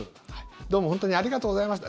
どうも本当にありがとうございました。